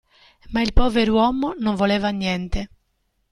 Ma il povero uomo non voleva niente.